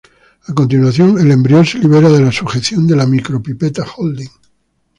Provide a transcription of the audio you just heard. A continuación, el embrión se libera de la sujeción de la micro-pipeta holding.